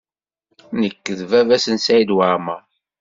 Nekk d baba-s n Saɛid Waɛmaṛ.